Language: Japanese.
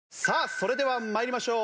それでは参りましょう。